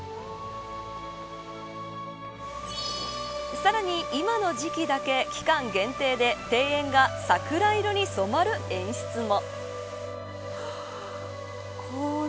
さらに、今の時期だけ期間限定で庭園が桜色に染まる演出も。